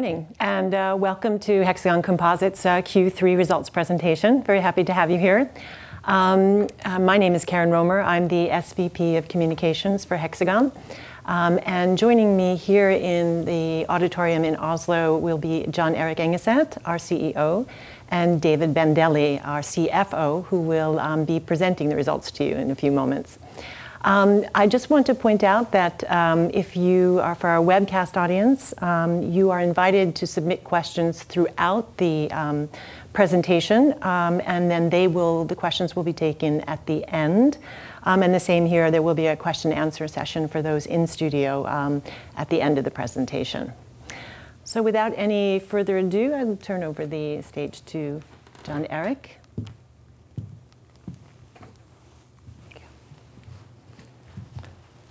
Good morning, and welcome to Hexagon Composites Q3 results presentation. Very happy to have you here. My name is Karen Romer. I'm the SVP of Communications for Hexagon. Joining me here in the auditorium in Oslo will be Jon-Erik Engeset, our CEO, and David Bandele, our CFO, who will be presenting the results to you in a few moments. I just want to point out that if you are from our webcast audience, you are invited to submit questions throughout the presentation. Then the questions will be taken at the end. The same here, there will be a question and answer session for those in studio at the end of the presentation. Without any further ado, I will turn over the stage to Jon-Erik. Thank you.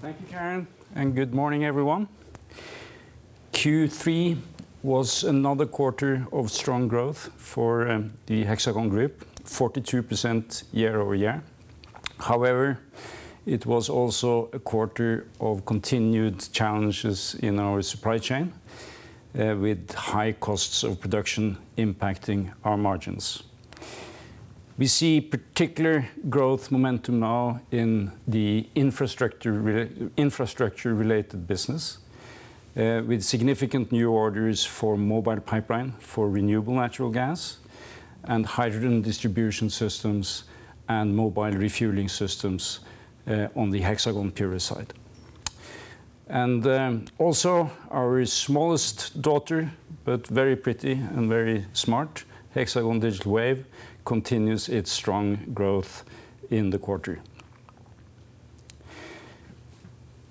Thank you, Karen, and good morning, everyone. Q3 was another quarter of strong growth for the Hexagon group, 42% year-over-year. However, it was also a quarter of continued challenges in our supply chain with high costs of production impacting our margins. We see particular growth momentum now in the infrastructure-related business with significant new orders for Mobile Pipeline, for renewable natural gas and hydrogen distribution systems and mobile refueling systems on the Hexagon Purus side. Also our smallest daughter, but very pretty and very smart, Hexagon Digital Wave, continues its strong growth in the quarter.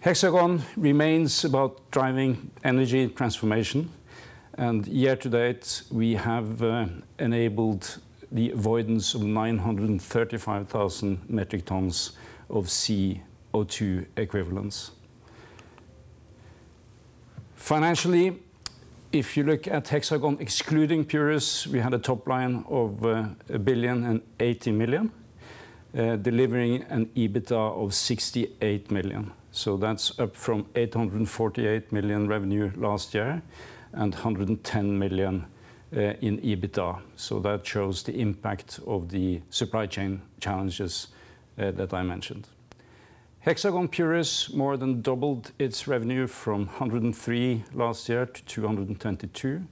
Hexagon remains about driving energy transformation, and year to date, we have enabled the avoidance of 935,000 metric tons of CO2 equivalents. Financially, if you look at Hexagon, excluding Purus, we had a top line of 1 billion and 80 million, delivering an EBITDA of 68 million. That's up from 848 million revenue last year and 110 million in EBITDA. That shows the impact of the supply chain challenges that I mentioned. Hexagon Purus more than doubled its revenue from 103 million last year to 222 million,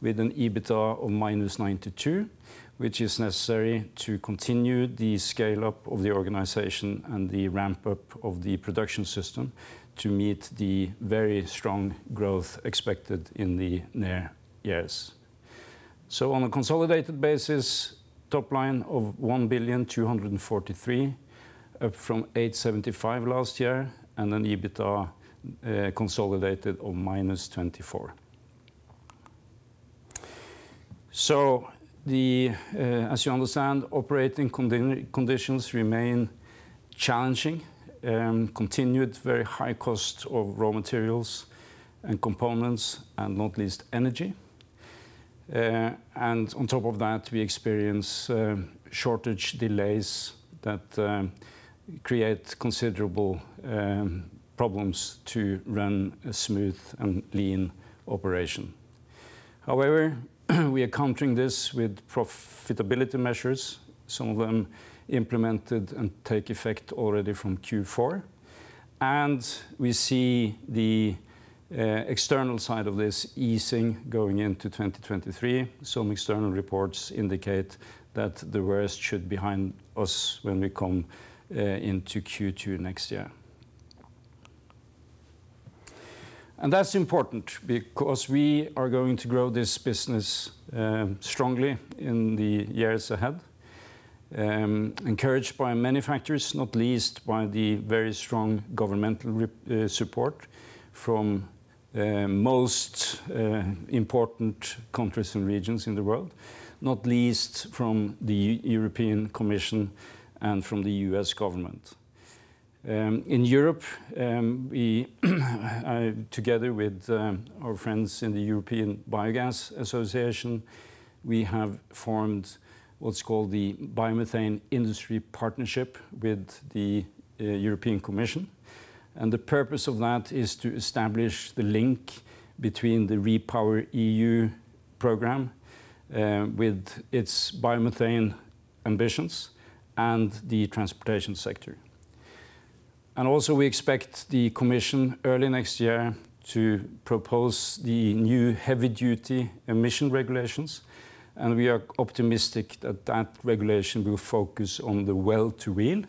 with an EBITDA of -92 million, which is necessary to continue the scale-up of the organization and the ramp-up of the production system to meet the very strong growth expected in the near years. On a consolidated basis, top line of 1,243 million, up from 875 million last year, and an EBITDA consolidated of -NOK 24 million. As you understand, operating conditions remain challenging, continuing very high costs of raw materials and components and not least energy. On top of that, we experience shortages, delays that create considerable problems to run a smooth and lean operation. However, we are countering this with profitability measures, some of them implemented and take effect already from Q4, and we see the external side of this easing going into 2023. Some external reports indicate that the worst should be behind us when we come into Q2 next year. That's important because we are going to grow this business, strongly in the years ahead, encouraged by many factors, not least by the very strong governmental support from most important countries and regions in the world, not least from the European Commission and from the U.S. government. In Europe, we together with our friends in the European Biogas Association, we have formed what's called the Biomethane Industrial Partnership with the European Commission. The purpose of that is to establish the link between the REPowerEU program with its biomethane ambitions and the transportation sector. Also, we expect the Commission early next year to propose the new heavy-duty emission regulations, and we are optimistic that that regulation will focus on the well-to-wheel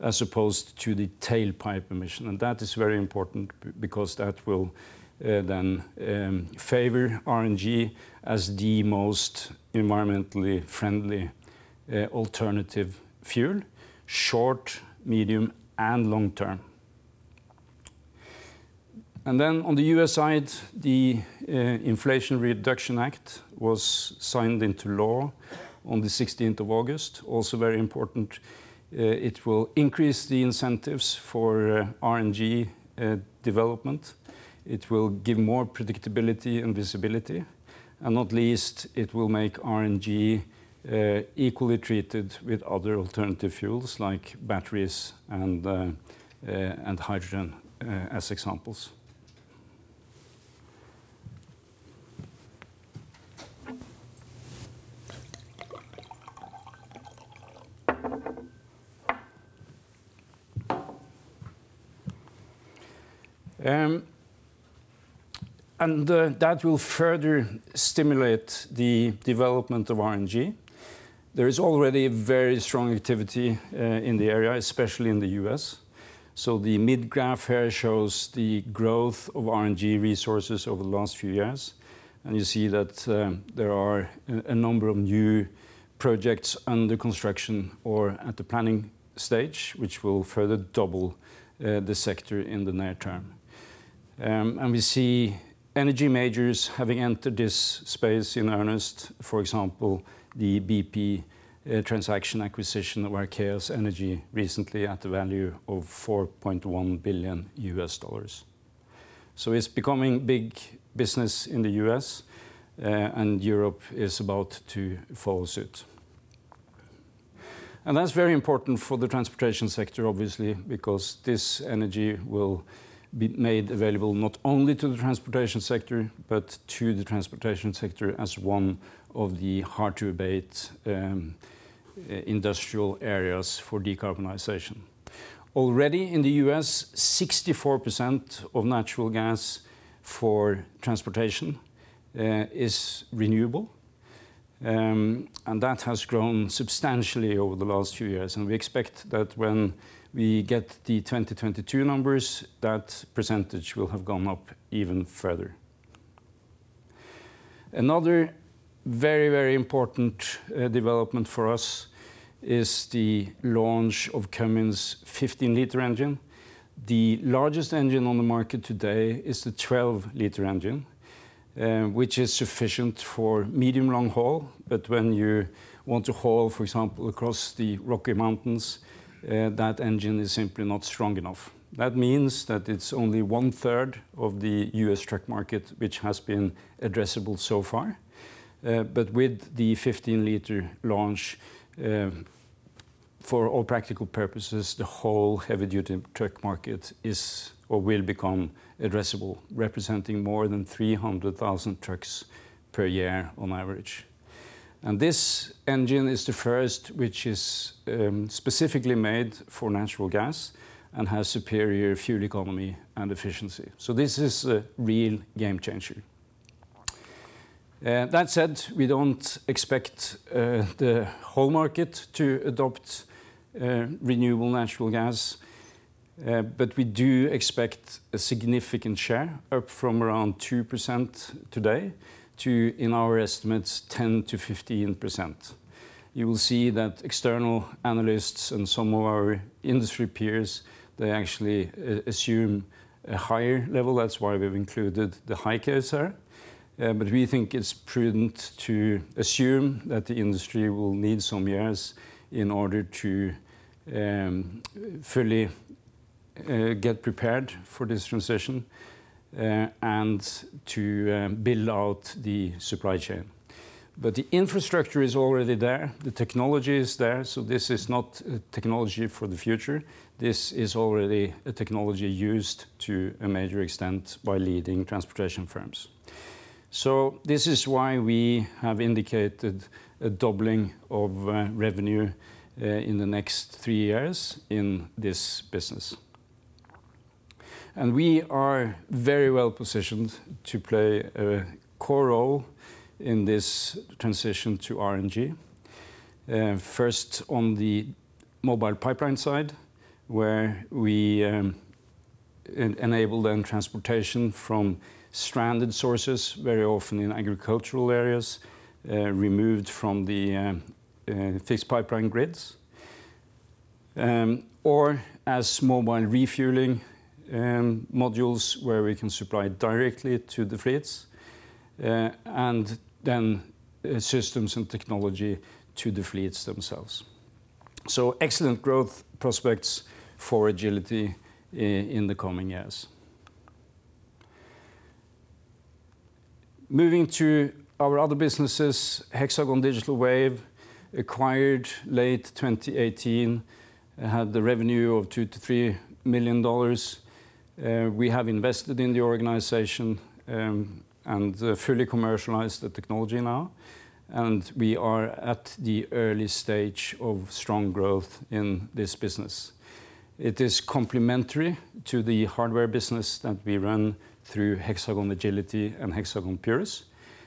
as opposed to the tailpipe emission. That is very important because that will then favor RNG as the most environmentally friendly alternative fuel, short, medium, and long term. On the U.S. side, the Inflation Reduction Act was signed into law on the August 16th, also very important. It will increase the incentives for RNG development. It will give more predictability and visibility. Not least, it will make RNG equally treated with other alternative fuels like batteries and hydrogen as examples. That will further stimulate the development of RNG. There is already very strong activity in the area, especially in the U.S.. The mid graph here shows the growth of RNG resources over the last few years, and you see that there are a number of new projects under construction or at the planning stage, which will further double the sector in the near term. We see energy majors having entered this space in earnest. For example, the BP transaction acquisition of Archaea Energy recently at the value of $4.1 billion. It's becoming big business in the U.S., and Europe is about to follow suit. That's very important for the transportation sector, obviously, because this energy will be made available not only to the transportation sector, but to the transportation sector as one of the hard-to-abate industrial areas for decarbonization. Already in the U.S., 64% of natural gas for transportation is renewable, and that has grown substantially over the last few years. We expect that when we get the 2022 numbers, that % will have gone up even further. Another very, very important development for us is the launch of Cummins' 15L engine. The largest engine on the market today is the 12L engine, which is sufficient for medium long haul. When you want to haul, for example, across the Rocky Mountains, that engine is simply not strong enough. That means that it's only 1/3 of the U.S. truck market which has been addressable so far. With the 15L launch, for all practical purposes, the whole heavy-duty truck market is or will become addressable, representing more than 300,000 trucks per year on average. This engine is the first which is specifically made for natural gas and has superior fuel economy and efficiency. This is a real game changer. That said, we don't expect the whole market to adopt renewable natural gas, but we do expect a significant share up from around 2% today to, in our estimates, 10%-15%. You will see that external analysts and some of our industry peers, they actually assume a higher level. That's why we've included the high case there. But we think it's prudent to assume that the industry will need some years in order to fully get prepared for this transition and to build out the supply chain. The infrastructure is already there. The technology is there, so this is not technology for the future. This is already a technology used to a major extent by leading transportation firms. This is why we have indicated a doubling of revenue in the next three years in this business. We are very well-positioned to play a core role in this transition to RNG. First, on the Mobile Pipeline side, where we enable the transportation from stranded sources, very often in agricultural areas, removed from the fixed pipeline grids, or as mobile refueling modules where we can supply directly to the fleets, and then systems and technology to the fleets themselves. Excellent growth prospects for Agility in the coming years. Moving to our other businesses, Hexagon Digital Wave, acquired late 2018, had the revenue of $2 million-$3 million. We have invested in the organization and fully commercialized the technology now, and we are at the early stage of strong growth in this business. It is complementary to the hardware business that we run through Hexagon Agility and Hexagon Purus,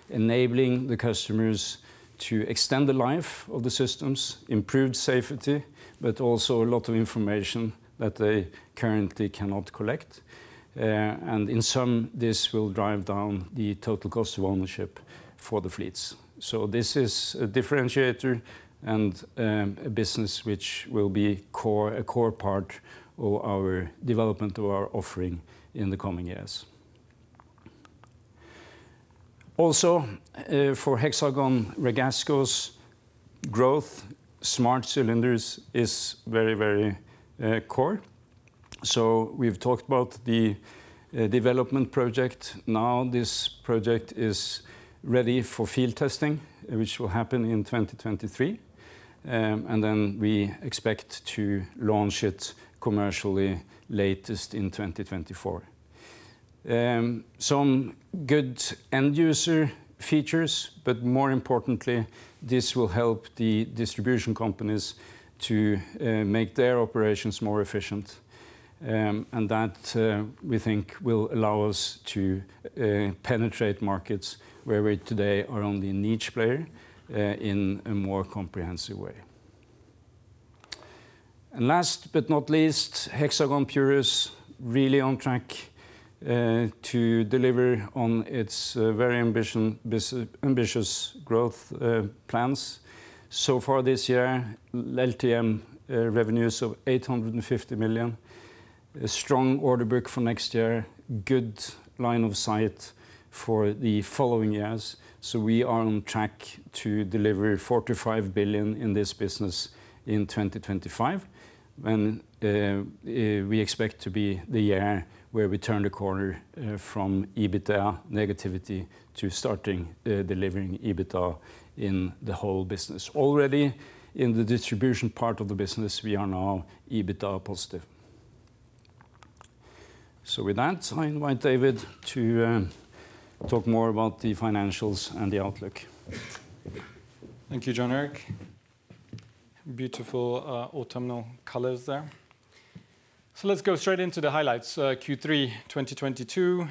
enabling the customers to extend the life of the systems, improve safety, but also a lot of information that they currently cannot collect. In sum, this will drive down the total cost of ownership for the fleets. This is a differentiator and a business which will be a core part of our development of our offering in the coming years. Also, for Hexagon Ragasco's growth, smart cylinders is very core. We've talked about the development project. Now this project is ready for field testing, which will happen in 2023. We expect to launch it commercially latest in 2024. Some good end user features, but more importantly, this will help the distribution companies to make their operations more efficient. That we think will allow us to penetrate markets where we today are only a niche player in a more comprehensive way. Last but not least, Hexagon Purus really on track to deliver on its very ambitious growth plans. Far this year, LTM revenues of 850 million. A strong order book for next year. Good line of sight for the following years. We are on track to deliver 45 billion in this business in 2025, when we expect to be the year where we turn the corner from EBITDA negativity to starting delivering EBITDA in the whole business. Already in the distribution part of the business, we are now EBITDA+. With that, I invite David to talk more about the financials and the outlook. Thank you, Jon Erik. Beautiful, autumnal colors there. Let's go straight into the highlights. Q3 2022,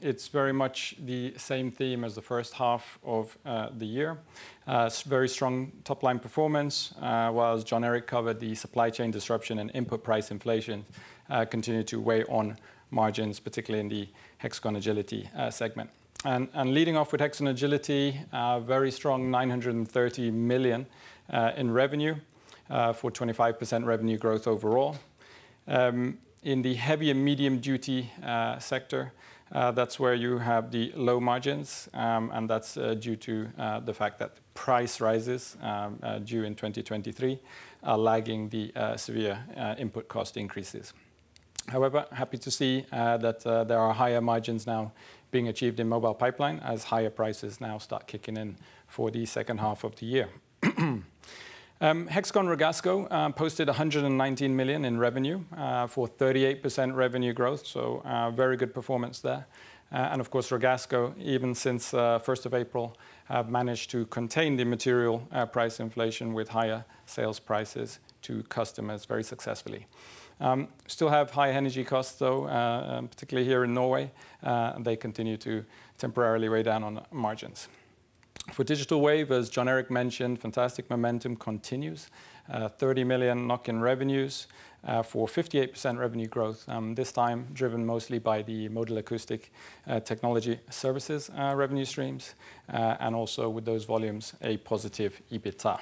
it's very much the same theme as the first half of the year. Very strong top-line performance, while Jon Erik covered the supply chain disruption and input price inflation, continued to weigh on margins, particularly in the Hexagon Agility segment. Leading off with Hexagon Agility, very strong 930 million in revenue for 25% revenue growth overall. In the heavy-duty and medium-duty sector, that's where you have the low margins, and that's due to the fact that price rises due in 2023 are lagging the severe input cost increases. However, happy to see that there are higher margins now being achieved in Mobile Pipeline as higher prices now start kicking in for the second half of the year. Hexagon Ragasco posted 119 million in revenue for 38% revenue growth, so very good performance there. Of course Ragasco, even since first of April, have managed to contain the material price inflation with higher sales prices to customers very successfully. Still have high energy costs though, particularly here in Norway, and they continue to temporarily weigh down on margins. For Hexagon Digital Wave, as Jon Erik mentioned, fantastic momentum continues. 30 million NOK in revenues for 58% revenue growth, this time driven mostly by the Modal Acoustic Emission Technology Services revenue streams and also with those volumes, a positive EBITDA.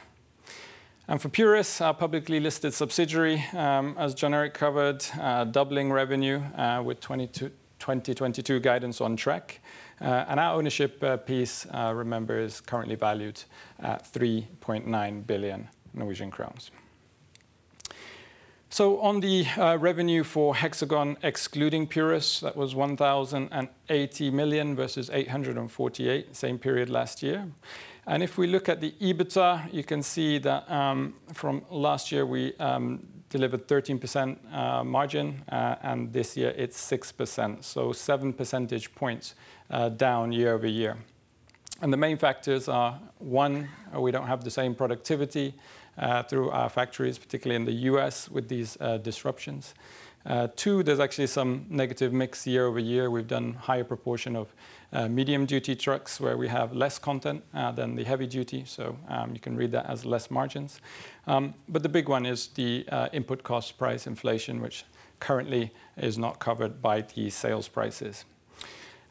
For Purus, our publicly listed subsidiary, as Jon Erik covered, doubling revenue with 2022 guidance on track. Our ownership piece, remember, is currently valued at 3.9 billion. On the revenue for Hexagon excluding Purus, that was 1,080 million NOK versus 848 million NOK same period last year. If we look at the EBITDA, you can see that from last year, we delivered 13% margin and this year it's 6%, so 7 percentage points down year over year. Main factors are, one, we don't have the same productivity through our factories, particularly in the U.S. with these disruptions. Two, there's actually some negative mix year-over-year. We've done higher proportion of medium-duty trucks where we have less content than the heavy-duty. You can read that as less margins. But the big one is the input cost price inflation, which currently is not covered by the sales prices.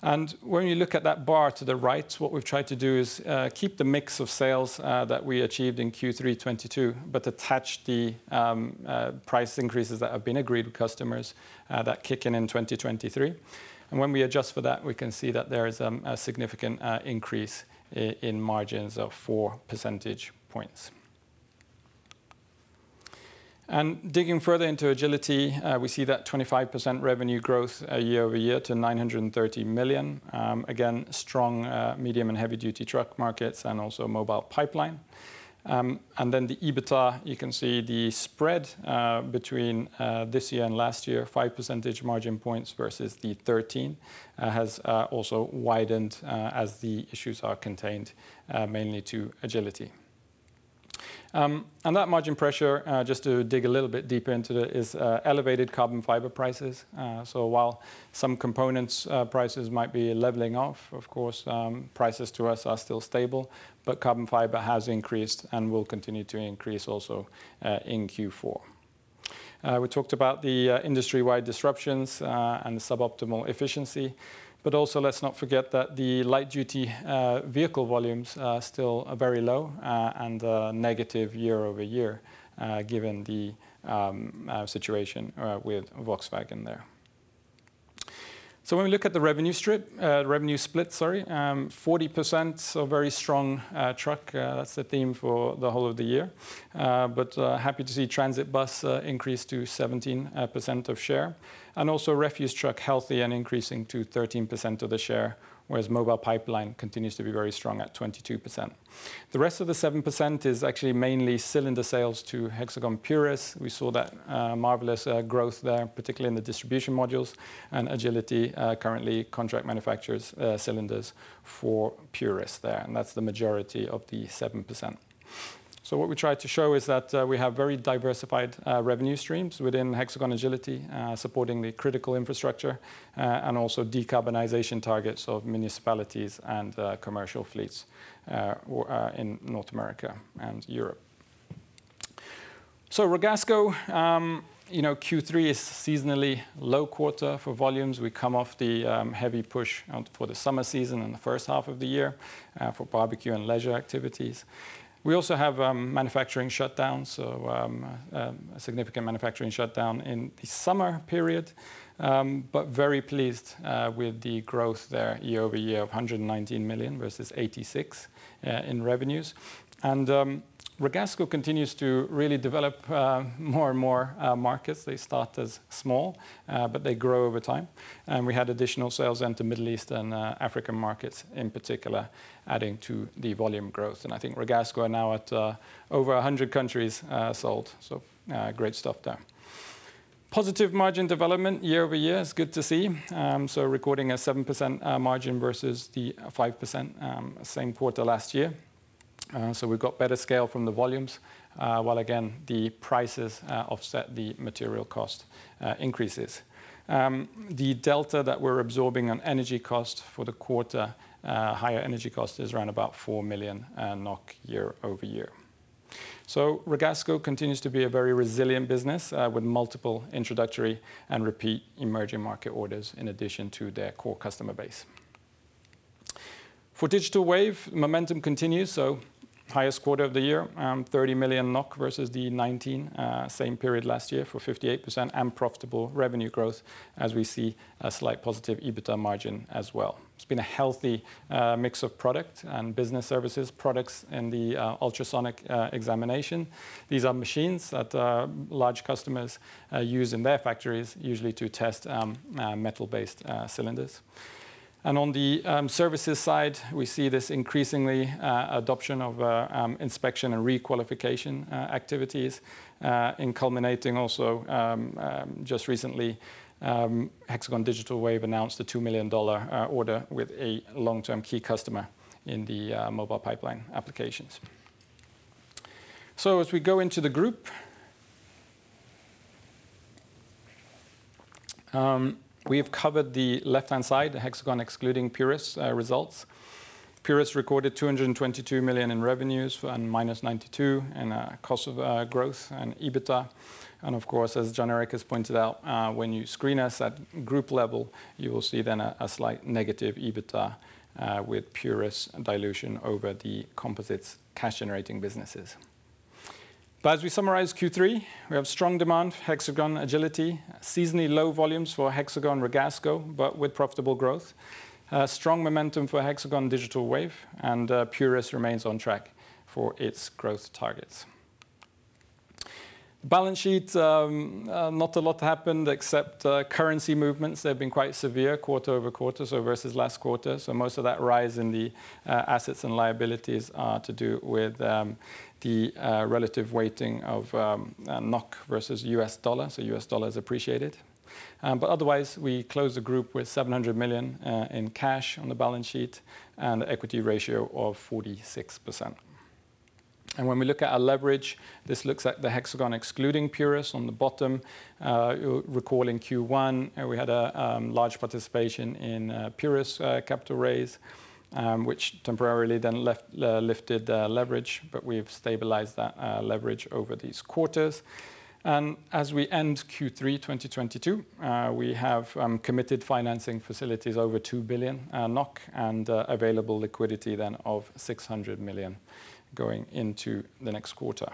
When you look at that bar to the right, what we've tried to do is keep the mix of sales that we achieved in Q3 2022, but attach the price increases that have been agreed with customers that kick in in 2023. When we adjust for that, we can see that there is a significant increase in margins of 4 percentage points. Digging further into Agility, we see that 25% revenue growth year-over-year to 930 million. Again, strong medium-duty and heavy-duty truck markets and also Mobile Pipeline. Then the EBITDA, you can see the spread between this year and last year, 5 percentage margin points versus the 13, has also widened as the issues are contained mainly to Agility. That margin pressure, just to dig a little bit deeper into it, is elevated carbon fiber prices. While some components prices might be leveling off, of course, prices to us are still stable, but carbon fiber has increased and will continue to increase also in Q4. We talked about the industry-wide disruptions and the suboptimal efficiency, but also let's not forget that the light-duty vehicle volumes still are very low and negative year-over-year given the situation with Volkswagen there. When we look at the revenue split, sorry, 40%, so very strong truck. That's the theme for the whole of the year. Happy to see transit bus increase to 17% of share, and also refuse truck healthy and increasing to 13% of the share, whereas Mobile Pipeline continues to be very strong at 22%. The rest of the 7% is actually mainly cylinder sales to Hexagon Purus. We saw that, marvelous, growth there, particularly in the distribution modules, and Agility currently contract manufactures cylinders for Purus there, and that's the majority of the 7%. What we try to show is that, we have very diversified revenue streams within Hexagon Agility, supporting the critical infrastructure, and also decarbonization targets of municipalities and commercial fleets, or, in North America and Europe. Ragasco, you know, Q3 is seasonally low quarter for volumes. We come off the heavy push out for the summer season in the first half of the year, for barbecue and leisure activities. We also have manufacturing shutdowns, so a significant manufacturing shutdown in the summer period, but very pleased with the growth there year over year of 119 million versus 86 million in revenues. Ragasco continues to really develop more and more markets. They start as small, but they grow over time. We had additional sales into Middle East and African markets in particular, adding to the volume growth. I think Ragasco are now at over 100 countries sold. Great stuff there. Positive margin development year over year is good to see. Recording a 7% margin versus the 5% same quarter last year. We've got better scale from the volumes, while again the prices offset the material cost increases. The delta that we're absorbing on energy cost for the quarter, higher energy cost is around about 4 million NOK year-over-year. Ragasco continues to be a very resilient business, with multiple introductory and repeat emerging market orders in addition to their core customer base. For Digital Wave, momentum continues, highest quarter of the year, 30 million NOK versus the 19 same period last year for 58% and profitable revenue growth as we see a slight positive EBITDA margin as well. It's been a healthy, mix of product and business services products in the, ultrasonic, examination. These are machines that large customers use in their factories, usually to test metal-based cylinders. On the services side, we see this increasingly adoption of inspection and requalification activities, and culminating also just recently Hexagon Digital Wave announced a $2 million order with a long-term key customer in the mobile pipeline applications. As we go into the group, we have covered the left-hand side, the Hexagon excluding Purus results. Purus recorded 222 million in revenues and -92 in cost of goods and EBITDA. Of course, as Jon-Erik has pointed out, when you screen us at group level, you will see then a slight negative EBITDA with Purus dilution over the composites cash generating businesses. As we summarize Q3, we have strong demand for Hexagon Agility, seasonally low volumes for Hexagon Ragasco, but with profitable growth, strong momentum for Hexagon Digital Wave, and Purus remains on track for its growth targets. Balance sheet, not a lot happened except currency movements. They've been quite severe quarter-over-quarter, so versus last quarter. Most of that rise in the assets and liabilities are to do with the relative weighting of NOK versus US dollar, so US dollar is appreciated. Otherwise, we closed the group with 700 million in cash on the balance sheet and equity ratio of 46%. When we look at our leverage, this looks at the Hexagon excluding Purus on the bottom. Recalling Q1, we had a large participation in Purus' capital raise, which temporarily lifted leverage, but we've stabilized that leverage over these quarters. As we end Q3 2022, we have committed financing facilities over 2 billion NOK and available liquidity then of 600 million going into the next quarter.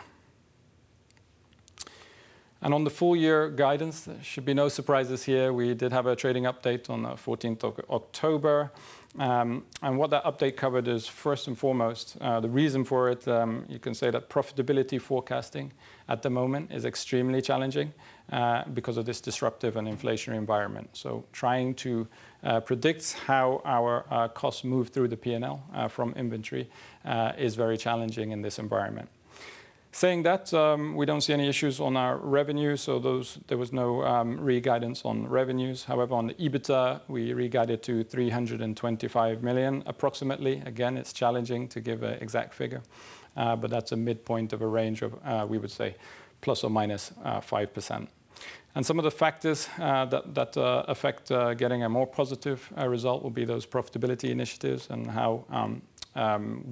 On the full year guidance, there should be no surprises here. We did have a trading update on the October 14th, and what that update covered is first and foremost the reason for it. You can say that profitability forecasting at the moment is extremely challenging because of this disruptive and inflationary environment. Trying to predict how our costs move through the P&L from inventory is very challenging in this environment. Saying that, we don't see any issues on our revenue, so there was no re-guidance on revenues. However, on the EBITDA, we re-guided to 325 million approximately. Again, it's challenging to give an exact figure, but that's a midpoint of a range of ±5%. Some of the factors that affect getting a more positive result will be those profitability initiatives and how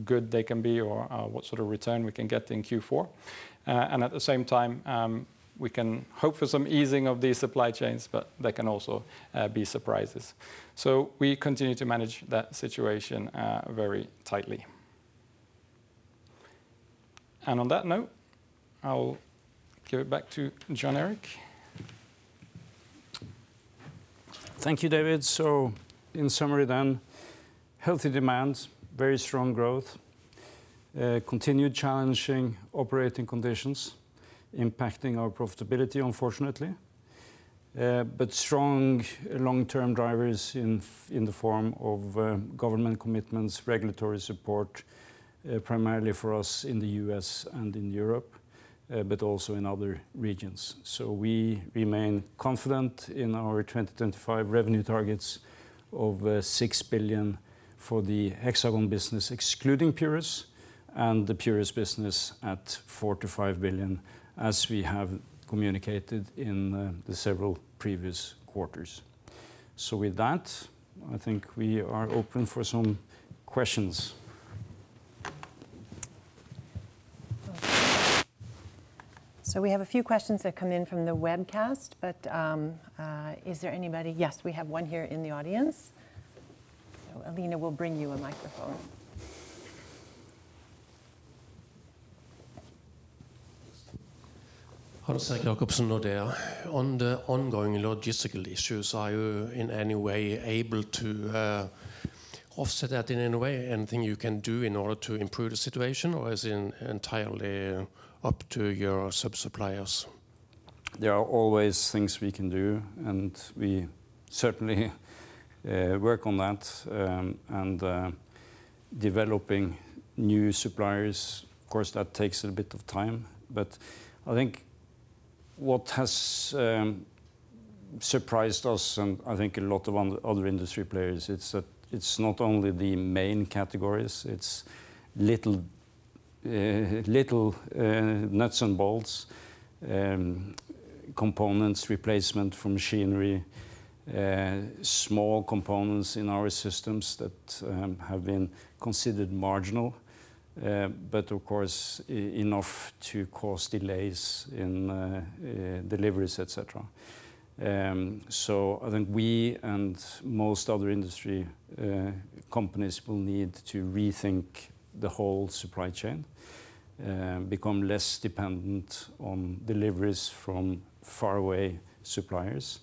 good they can be or what sort of return we can get in Q4. At the same time, we can hope for some easing of these supply chains, but they can also be surprises. We continue to manage that situation very tightly. On that note, I'll give it back to Jon Erik. Thank you, David. In summary then, healthy demand, very strong growth, continued challenging operating conditions impacting our profitability unfortunately. Strong long-term drivers in the form of government commitments, regulatory support, primarily for us in the US and in Europe, but also in other regions. We remain confident in our 2025 revenue targets of 6 billion for the Hexagon business excluding Purus, and the Purus business at 4 billion-5 billion as we have communicated in the several previous quarters. With that, I think we are open for some questions. We have a few questions that come in from the webcast, but is there anybody? Yes, we have one here in the audience. Alina will bring you a microphone. Hans Erik Jacobsen, Nordea. On the ongoing logistical issues, are you in any way able to offset that in any way? Anything you can do in order to improve the situation, or is it entirely up to your sub-suppliers? There are always things we can do, and we certainly work on that. Developing new suppliers, of course, that takes a bit of time. I think what has surprised us and I think a lot of other industry players, it's that it's not only the main categories, it's little nuts and bolts components, replacement for machinery, small components in our systems that have been considered marginal. But of course, enough to cause delays in deliveries, et cetera. I think we and most other industry companies will need to rethink the whole supply chain, become less dependent on deliveries from faraway suppliers,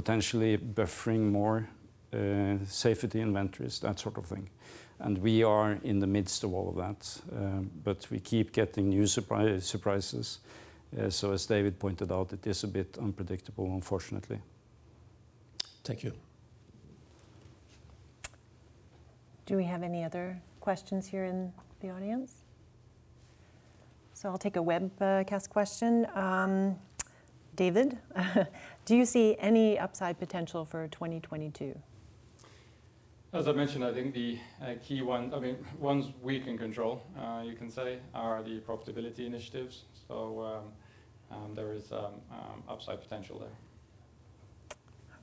potentially buffering more safety inventories, that sort of thing. We are in the midst of all of that. We keep getting new surprises. As David pointed out, it is a bit unpredictable, unfortunately. Thank you. Do we have any other questions here in the audience? I'll take a webcast question. David, do you see any upside potential for 2022? As I mentioned, I think the key ones we can control, I mean, you can say, are the profitability initiatives. There is upside potential there.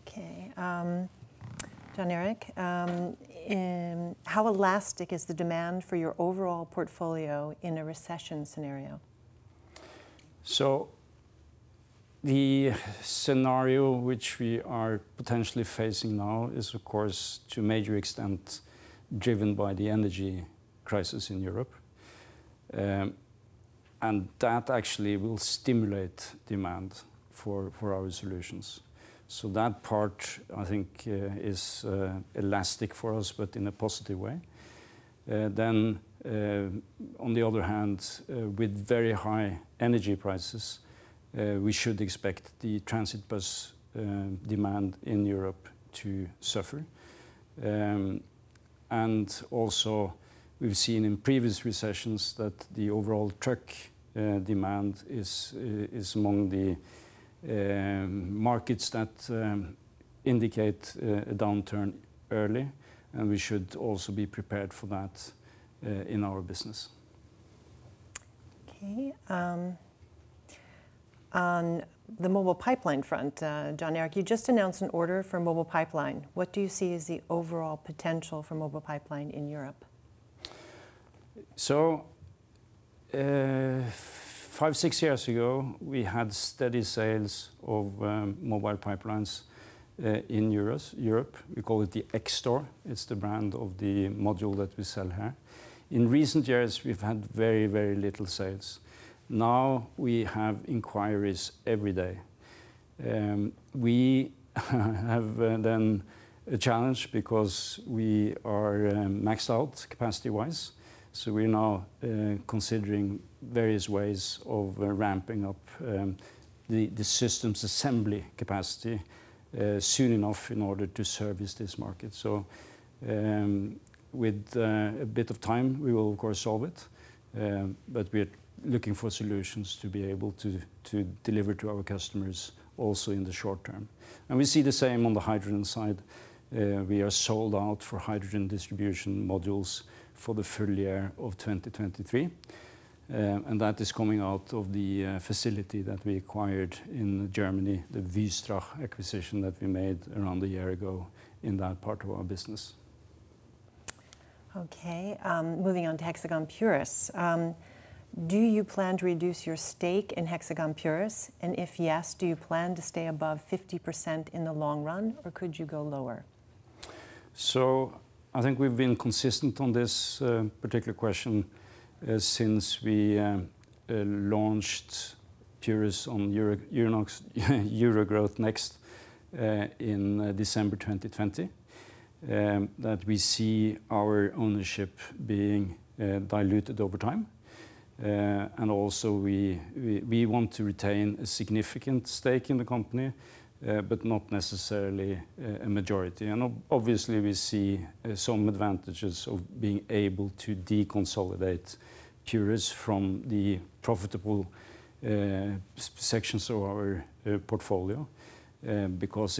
Okay. John Erik, how elastic is the demand for your overall portfolio in a recession scenario? The scenario which we are potentially facing now is, of course, to a major extent driven by the energy crisis in Europe. That actually will stimulate demand for our solutions. That part, I think, is elastic for us, but in a positive way. On the other hand, with very high energy prices, we should expect the transit bus demand in Europe to suffer. Also we've seen in previous recessions that the overall truck demand is among the markets that indicate a downturn early, and we should also be prepared for that in our business. Okay. On the Mobile Pipeline front, Jon Erik, you just announced an order for Mobile Pipeline. What do you see as the overall potential for Mobile Pipeline in Europe? Five-six years ago, we had steady sales of Mobile Pipeline in Europe. We call it the X-STORE. It's the brand of the module that we sell here. In recent years, we've had very, very little sales. Now we have inquiries every day. We have a challenge because we are maxed out capacity-wise. We're now considering various ways of ramping up the systems assembly capacity soon enough in order to service this market. With a bit of time, we will of course solve it. But we're looking for solutions to be able to deliver to our customers also in the short term. We see the same on the hydrogen side. We are sold out for hydrogen distribution modules for the full year of 2023. That is coming out of the facility that we acquired in Germany, the Wystrach acquisition that we made around a year ago in that part of our business. Okay. Moving on to Hexagon Purus. Do you plan to reduce your stake in Hexagon Purus? If yes, do you plan to stay above 50% in the long run, or could you go lower? I think we've been consistent on this particular question since we launched Purus on Euronext Growth in December 2020, that we see our ownership being diluted over time. We want to retain a significant stake in the company, but not necessarily a majority. Obviously, we see some advantages of being able to de-consolidate Purus from the profitable sections of our portfolio, because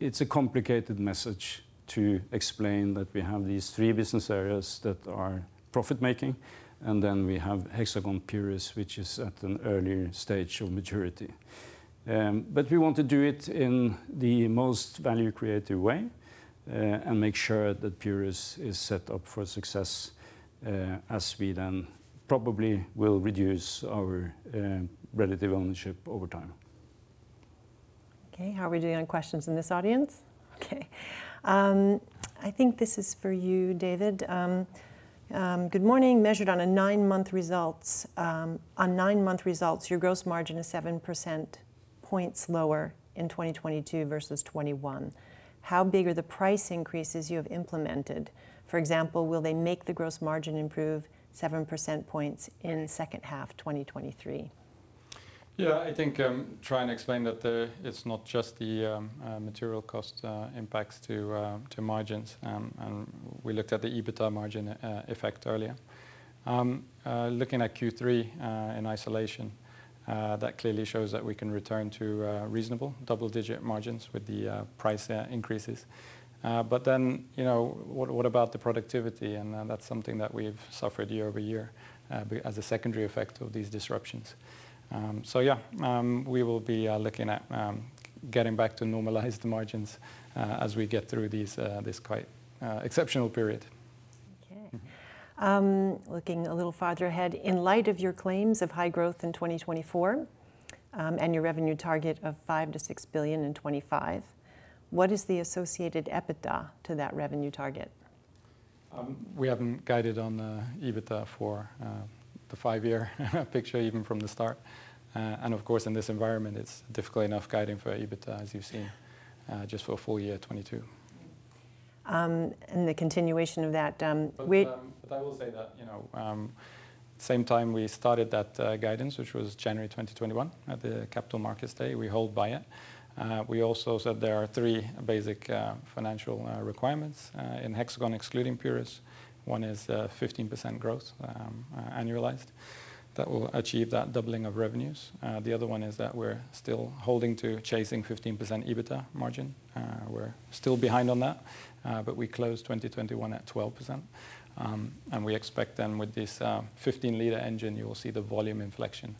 it's a complicated message to explain that we have these three business areas that are profit making, and then we have Hexagon Purus, which is at an earlier stage of maturity. We want to do it in the most value-creating way and make sure that Purus is set up for success as we then probably will reduce our relative ownership over time. Okay. How are we doing on questions in this audience? Okay. I think this is for you, David. Good morning. Measured on nine-month results, your gross margin is 7 percentage points lower in 2022 versus 2021. How big are the price increases you have implemented? For example, will they make the gross margin improve 7 percentage points in the second half 2023? Yeah, I think trying to explain that it's not just the material cost impacts to margins. We looked at the EBITDA margin effect earlier. Looking at Q3 in isolation, that clearly shows that we can return to reasonable double-digit margins with the price increases. Then, you know, what about the productivity? That's something that we've suffered year-over-year as a secondary effect of these disruptions. We will be looking at getting back to normalized margins as we get through this quite exceptional period. Okay, looking a little farther ahead, in light of your claims of high growth in 2024, and your revenue target of 5-6 billion in 2025, what is the associated EBITDA to that revenue target? We haven't guided on the EBITDA for the five-year picture even from the start. Of course, in this environment, it's difficult enough guiding for EBITDA, as you've seen. Yeah just for full year 2022. The continuation of that. I will say that, you know, same time we started that guidance, which was January 2021, at the Capital Markets Day, we hold by it. We also said there are three basic financial requirements in Hexagon excluding Purus. One is 15% growth, annualized that will achieve that doubling of revenues. The other one is that we're still holding to chasing 15% EBITDA margin. We're still behind on that, but we closed 2021 at 12%. We expect then with this 15L engine, you will see the volume inflection,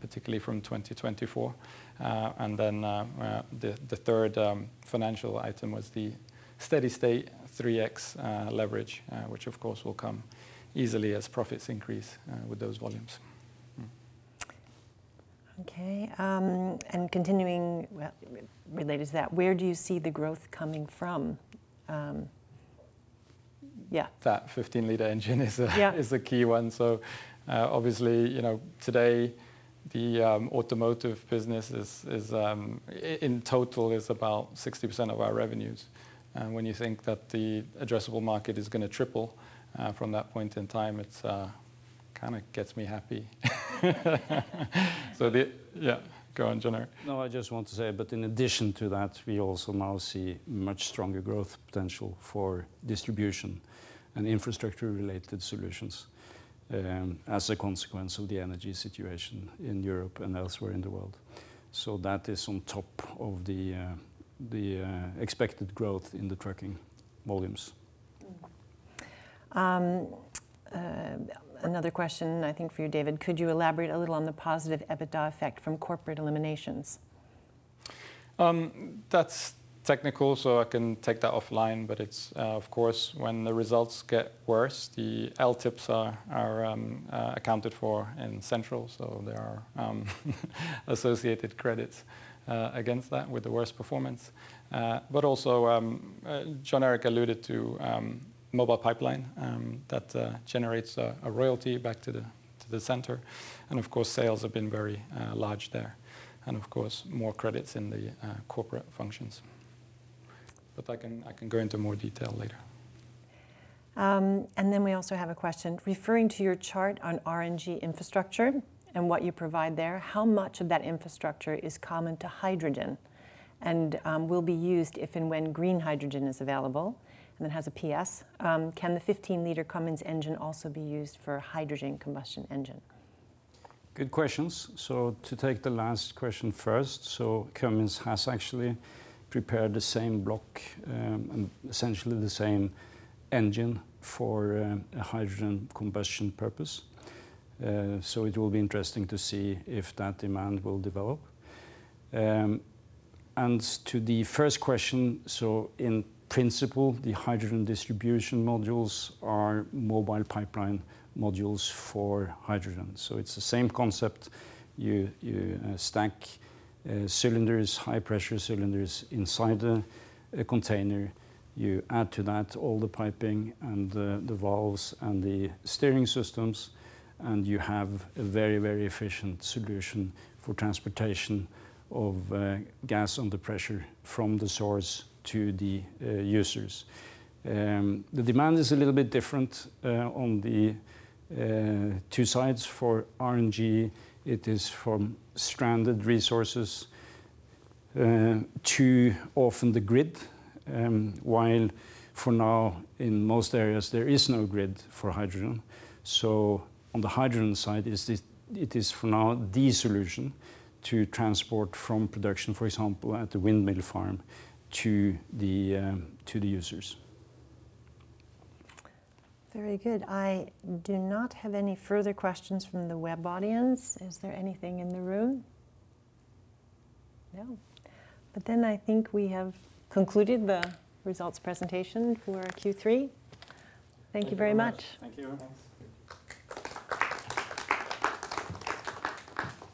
particularly from 2024. The third financial item was the steady state 3x leverage, which of course will come easily as profits increase with those volumes. Okay. Continuing, well, related to that, where do you see the growth coming from? Yeah. That 15L engine is Yeah is a key one. Obviously, you know, today, the automotive business in total is about 60% of our revenues. When you think that the addressable market is gonna triple from that point in time, it kinda gets me happy. Yeah, go on, Jon-Erik. No, I just want to say, but in addition to that, we also now see much stronger growth potential for distribution and infrastructure-related solutions, as a consequence of the energy situation in Europe and elsewhere in the world. That is on top of the expected growth in the trucking volumes. Another question I think for you, David. Could you elaborate a little on the positive EBITDA effect from corporate eliminations? That's technical, so I can take that offline. It's, of course, when the results get worse, the LTIPs are accounted for in central, so there are associated credits against that with the worst performance. But also, Jon-Erik alluded to Mobile Pipeline that generates a royalty back to the center, and of course, sales have been very large there, and of course, more credits in the corporate functions. I can go into more detail later. We also have a question. Referring to your chart on RNG infrastructure and what you provide there, how much of that infrastructure is common to hydrogen and will be used if and when green hydrogen is available? It has a P.S. Can the 15 Cummins engine also be used for hydrogen combustion engine? Good questions. To take the last question first, Cummins has actually prepared the same block and essentially the same engine for a hydrogen combustion purpose. It will be interesting to see if that demand will develop. To the first question, in principle, the hydrogen distribution modules are Mobile Pipeline modules for hydrogen. It's the same concept. You stack cylinders, high-pressure cylinders inside a container. You add to that all the piping and the valves and the steering systems, and you have a very, very efficient solution for transportation of gas under pressure from the source to the users. The demand is a little bit different on the two sides. For RNG, it is from stranded resources to the grid often, while for now, in most areas, there is no grid for hydrogen. On the hydrogen side, it is for now the solution to transport from production, for example, at the windmill farm to the users. Very good. I do not have any further questions from the web audience. Is there anything in the room? No. I think we have concluded the results presentation for Q3. Thank you very much. Thank you very much. Thank you. Thanks.